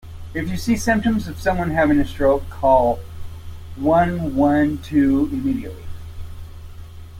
If you see symptoms of someone having a stroke call one-one-two immediately.